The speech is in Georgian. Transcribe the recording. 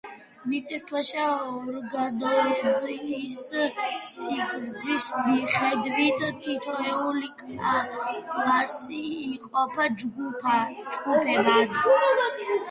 მიწისქვეშა ორგანოების სიგრძის მიხედვით თითოეული კლასი იყოფა ჯგუფებად.